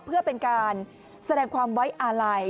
เพื่อเป็นการแสดงความไว้อาลัย